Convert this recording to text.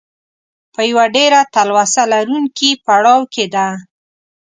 په یوه ډېره تلوسه لرونکي پړاو کې ده.